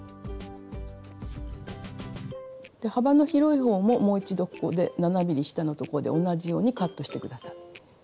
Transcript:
で幅の広い方ももう一度ここで７ｍｍ下の所で同じようにカットして下さい。